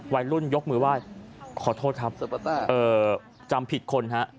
วัยรุ่นยกมือไหว้ขอโทษครับจำผิดคนฮะ